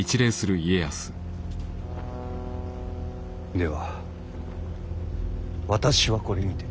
では私はこれにて。